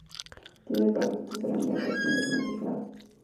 Sin embargo, estos eran errores mayormente aislados.